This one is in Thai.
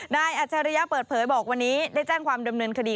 อัจฉริยะเปิดเผยบอกวันนี้ได้แจ้งความดำเนินคดี